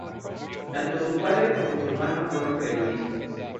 Tanto su padre como su hermano fueron periodistas.